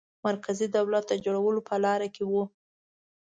مرکزي دولت د جوړولو په لاره کې وو.